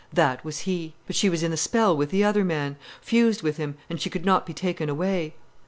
That was he. But she was in the spell with the other man, fused with him, and she could not be taken away.